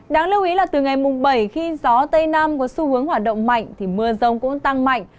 đáng lưu ý là từ ngày mùng bảy khi gió tây nam có xu hướng hoạt động mạnh thì mưa rông cũng tăng mạnh